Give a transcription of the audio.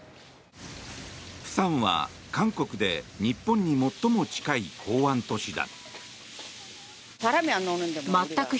釜山は韓国で日本に最も近い港湾都市だ。